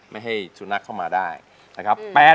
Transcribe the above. ไม่ให้สุนัขเข้ามาได้นะครับ